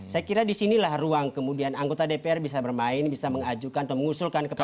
saya kira disinilah ruang kemudian anggota dpr bisa bermain bisa mengajukan atau mengusulkan kepada